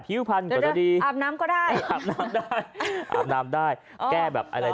พิผ่านก็จะดีอาบน้ำก็ได้